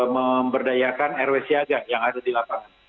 memberdayakan rw siaga yang ada di lapangan